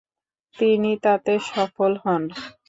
তিনি তাতে সফল হন।